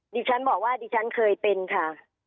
ดิฉันบอกว่าดิฉันเคยเป็นค่ะ